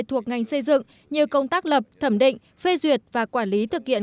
thuộc ngành xây dựng như công tác lập thẩm định phê duyệt và quản lý thực hiện